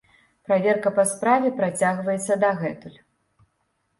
Праверка па справе працягваецца дагэтуль.